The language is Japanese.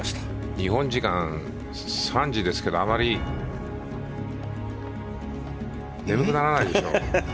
日本時間３時ですけどあまり眠くならないでしょ。